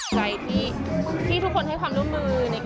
อะไรที่ทุกคนให้ความร่วมมือ